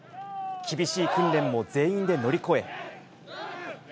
厳しい訓練も全員で乗り越え。